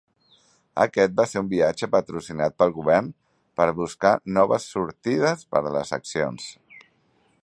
Aquest va ser un viatge patrocinat pel govern per a buscar noves "sortides" per a les accions.